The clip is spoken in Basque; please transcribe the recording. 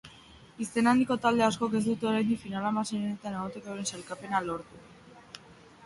Izen handiko talde askok ez dute oraindik final-hamaseirenetan egoteko euren sailkapena lortu.